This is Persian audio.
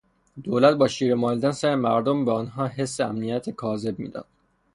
دولت با شیره مالیدن سر مردم به آنها حس امنیت کاذب میداد.